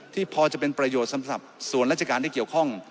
ที่พอจะเป็นประโยชน์สำหรับส่วนราชการที่เกี่ยวข้อง